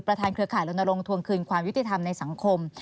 ประธานเครือข่าวโรนโรงทวงคลินความยุติธรรมในสังคม